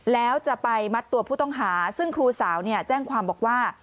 แล้วจะไปมัดตัวผู้ต้องหาซึ่งครูสาวเนี่ยแจ้งความบอกว่า